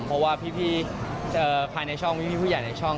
เพราะว่าพี่ภายในช่องพี่ผู้ใหญ่ในช่อง